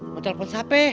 mau telfon siapa